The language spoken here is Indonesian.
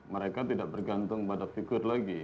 mereka tidak bergantung pada figur lagi